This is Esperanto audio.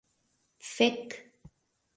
Fek.